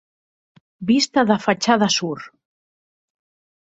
Vista da fachada sur